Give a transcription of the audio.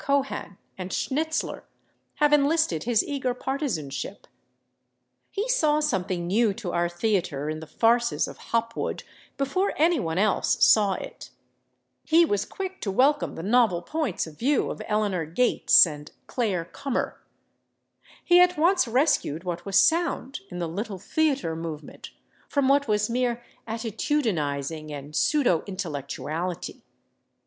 Cohan and Schnitzler, have enlisted his eager partisanship. He saw something new to our theater in the farces of Hopwood before any one else saw it; he was quick to welcome the novel points of view of Eleanor Gates and Clare Kummer; he at once rescued what was sound in the Little Theatre movement from what was mere attitudinizing and pseudo intellectuality.